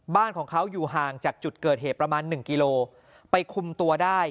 บ้านของเขาอยู่ห่างจากจุดเกิดเหตุประมาณหนึ่งกิโลไปคุมตัวได้